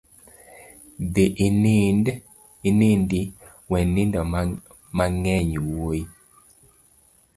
Dhi inindi we nindo mang'eny wuoi.